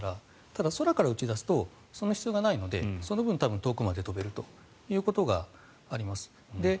ただ空から打ち出すとその必要がないのでその分、遠くまで飛べるということがあります。